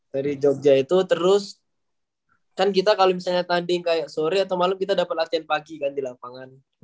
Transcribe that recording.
saya di jogja itu terus kan kita kalau misalnya tanding kayak sore atau malem kita dapet latihan pagi kan di lapangan